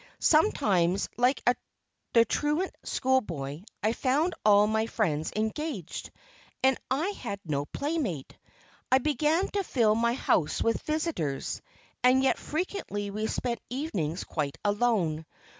Sometimes like the truant school boy I found all my friends engaged, and I had no play mate. I began to fill my house with visitors, and yet frequently we spent evenings quite alone.